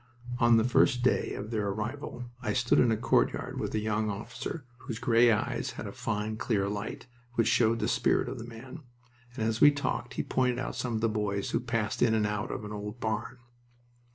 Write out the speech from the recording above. On that first day of their arrival I stood in a courtyard with a young officer whose gray eyes had a fine, clear light, which showed the spirit of the man, and as we talked he pointed out some of the boys who passed in and out of an old barn.